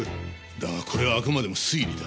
だがこれはあくまでも推理だ。